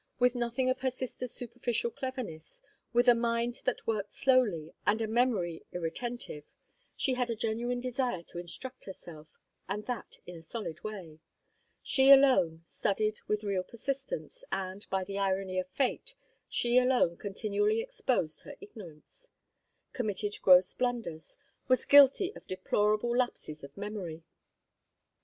With nothing of her sisters' superficial cleverness, with a mind that worked slowly, and a memory irretentive, she had a genuine desire to instruct herself, and that in a solid way. She alone studied with real persistence, and, by the irony of fate, she alone continually exposed her ignorance, committed gross blunders, was guilty of deplorable lapses of memory.